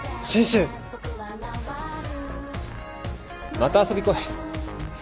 また遊び来い。